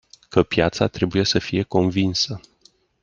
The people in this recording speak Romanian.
Că piața trebuie să fie convinsă.